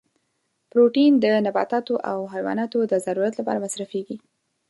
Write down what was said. پروتین د نباتاتو او حیواناتو د ضرورت لپاره مصرفیږي.